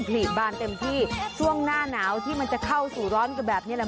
ผลิบานเต็มที่ช่วงหน้าหนาวที่มันจะเข้าสู่ร้อนกันแบบนี้แหละ